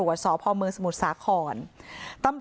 ด้วยเหตุผลอะไรก็แล้วแต่ก็ทำร้ายกันแบบนี้ไม่ได้